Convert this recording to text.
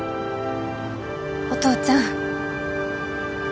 お父ちゃん